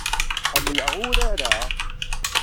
Ḥemmleɣ urar-a.